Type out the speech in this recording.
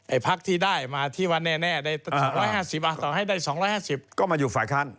พักที่ได้มาที่ว่าแน่ได้๒๕๐ต่อให้ได้๒๕๐ก็มาอยู่ฝ่ายค้าน